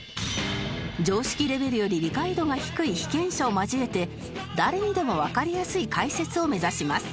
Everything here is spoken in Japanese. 常識レベルより理解度が低い被験者を交えて誰にでもわかりやすい解説を目指します